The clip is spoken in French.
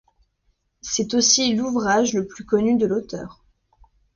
C'est aussi l'ouvrage le plus connu de l'auteur.